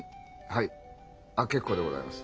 はい。